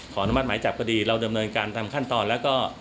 อนุมัติหมายจับก็ดีเราดำเนินการตามขั้นตอนแล้วก็